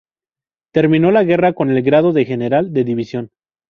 Terminó la guerra con el grado de general de división.